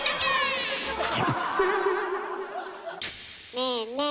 ねえねえ